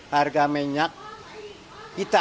harga minyak kita